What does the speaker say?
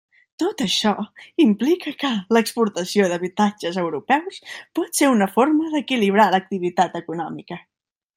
Tot això implica que l'«exportació d'habitatges» a europeus pot ser una forma d'equilibrar l'activitat econòmica.